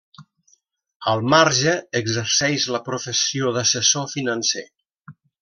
Al marge, exerceix la professió d'assessor financer.